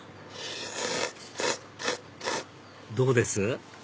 どうです？